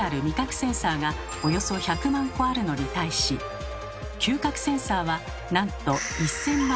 センサーがおよそ１００万個あるのに対し嗅覚センサーはなんと１，０００万個。